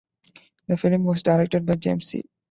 The film was directed by James Seale.